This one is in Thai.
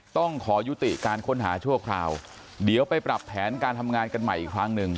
ต้องขอยุติการค้นหาชั่วคราวเดี๋ยวไปปรับแผนการทำงานกันใหม่อีกครั้งหนึ่ง